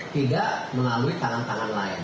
tidak melalui tangan tangan lain